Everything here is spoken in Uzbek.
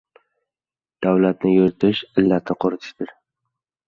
— Davlatni yuritish — Illatni quritishdir.